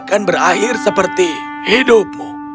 akan berakhir seperti hidupmu